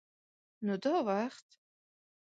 _نو دا وخت؟